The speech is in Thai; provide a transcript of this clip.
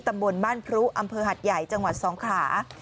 ตำบลบ้านพรุอำเภอหัดใหญ่จังหวัดสงขลา